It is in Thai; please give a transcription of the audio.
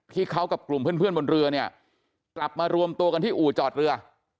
ที่เขากับกลุ่มเพื่อนบนเรือเนี่ยกลับมารวมตัวกันที่อู่จอดเรือ